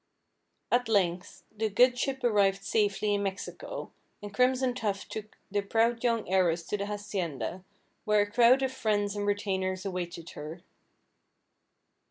At length the good ship arrived safely in Mexico, and Crimson Tuft took the proud young heiress to the hacienda, where a crowd of friends and retainers awaited her.